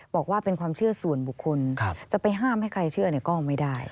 บอกว่าเป็นความเชื่อส่วนบุคคลจะไปห้ามให้ใครเชื่อก็ไม่ได้